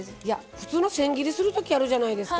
普通の千切りするときあるじゃないですか。